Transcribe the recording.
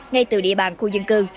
ngay từ địa bàn khu dân cư